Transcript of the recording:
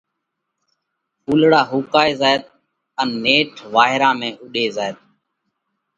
ڦُولڙا ۿُوڪائي زائت ان نيٺ وائيرا ۾ اُوڏي زائت۔